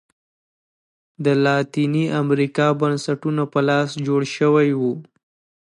د لاتینې امریکا بنسټونه په لاس جوړ شوي وو.